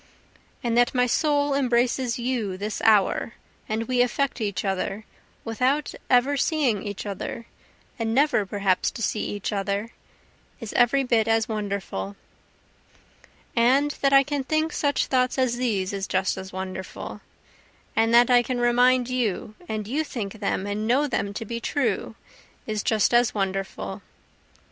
And that my soul embraces you this hour, and we affect each other without ever seeing each other, and never perhaps to see each other, is every bit as wonderful. And that I can think such thoughts as these is just as wonderful, And that I can remind you, and you think them and know them to be true, is just as wonderful.